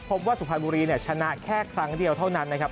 พบว่าสุพรรณบุรีเนี่ยชนะแค่ครั้งเดียวเท่านั้นนะครับ